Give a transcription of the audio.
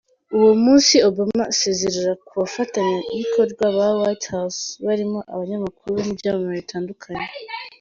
Uwo munsi Obama asezera ku bafatanyabikorwa ba White House, barimo abanyamakuru n’ibyamamare bitandukanye.